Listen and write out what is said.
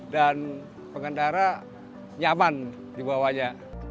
dan pengendara nyaman di bawahnya